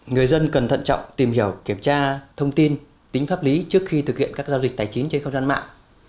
người dân cần thận trọng tìm hiểu kiểm tra thông tin tính pháp lý trước khi thực hiện các giao dịch tài chính trên không gian mạng